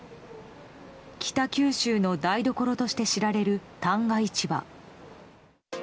北九州の台所として知られる旦過市場。